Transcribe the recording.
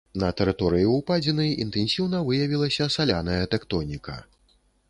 На тэрыторыі ўпадзіны інтэнсіўна выявілася саляная тэктоніка.